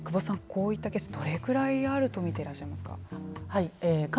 こういったケースどれくらいあると見ていらっしゃいますか。